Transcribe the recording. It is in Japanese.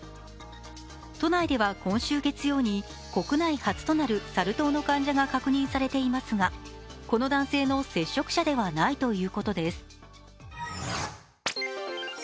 都内では今週月曜に国内初となるサル痘の患者が確認されていますがこの男性の接触者ではないということです。